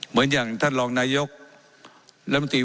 เจ้าหน้าที่ของรัฐมันก็เป็นผู้ใต้มิชชาท่านนมตรี